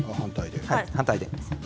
反対で。